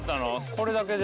これだけで？